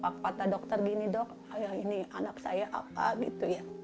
apa kata dokter gini dok ayo ini anak saya apa gitu ya